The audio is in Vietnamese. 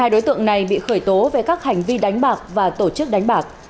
hai đối tượng này bị khởi tố về các hành vi đánh bạc và tổ chức đánh bạc